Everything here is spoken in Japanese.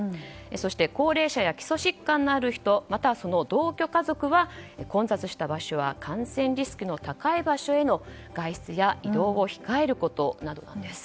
そして高齢者や基礎疾患のある人または、その同居家族は混雑した場所や感染リスクの高い場所への外出や移動を控えることなどなんです。